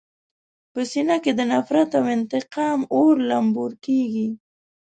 په سینه کې د نفرت او انتقام اور لمبور کېږي.